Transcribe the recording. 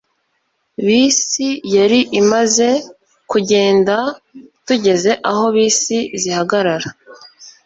bisi yari imaze kugenda tugeze aho bisi zihagarara